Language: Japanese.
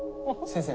先生